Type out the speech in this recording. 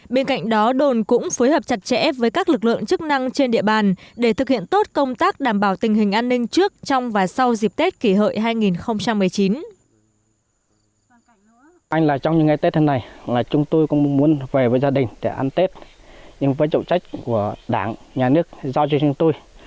bên cạnh đó đồn cũng phối hợp chặt chẽ với các lực lượng chức năng trên địa bàn để thực hiện tốt công tác đảm bảo tình hình an ninh trước trong và sau dịp tết kỷ hợi hai nghìn một mươi chín